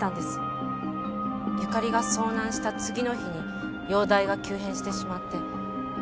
ゆかりが遭難した次の日に容体が急変してしまって。